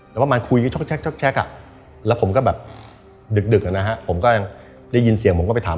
แต่ว่ามันคุยช็อกอ่ะแล้วผมก็แบบดึกนะฮะผมก็ยังได้ยินเสียงผมก็ไปถาม